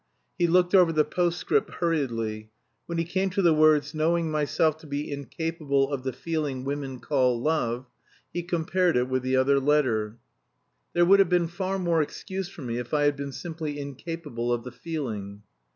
He looked over the postscript hurriedly. When he came to the words, "Knowing myself to be incapable of the feeling women call love," he compared it with the other letter, "There would have been far more excuse for me if I had been simply incapable of the feeling."